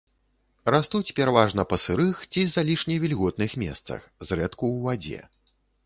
Растуць пераважна па сырых ці залішне вільготных месцах, зрэдку ў вадзе.